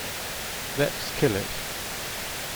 Let's kill it.